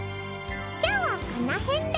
今日はこの辺で。